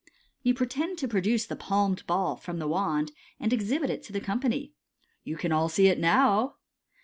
You pretend to produce the palmed ball from the wand, and exhibit it to the company. '• You can all see it now."